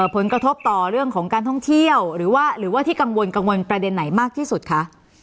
ผลกระทบต่อเรื่องของการท่องเที่ยวหรือว่าหรือว่าที่กังวลกังวลประเด็นไหนมากที่สุดคะ